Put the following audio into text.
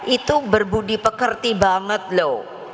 itu berbudi pekerti banget loh